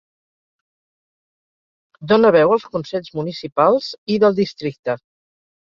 Dona veu als consells municipals i del districte.